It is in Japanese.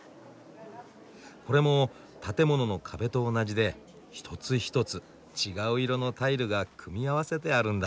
これも建物の壁と同じで一つ一つ違う色のタイルが組み合わせてあるんだ。